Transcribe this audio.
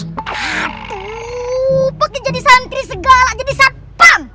atuh pak ini jadi santri segala jadi satpam